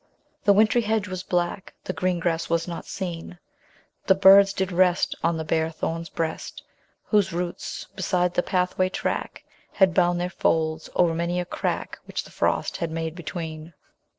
The wintry hedge was black ; The green grass was not seen ; The birds did rest On the bare thorn's breast, RETURN TO ENGLAND. 117 Whose roots, beside the pathway track, Had bound their folds o'er many a crack Which the frost had made between.